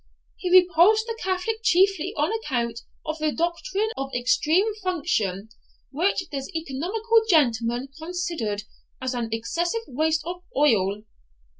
He repulsed the Catholic chiefly on account of the doctrine of extreme unction, which this economical gentleman considered as an excessive waste of oil.